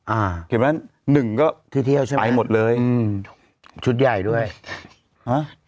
เห็นไหมหนึ่งก็ที่เที่ยวใช่ไหมไปหมดเลยอืมชุดใหญ่ด้วยฮะ